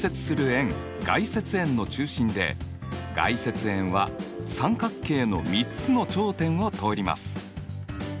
円外接円の中心で外接円は三角形の３つの頂点を通ります。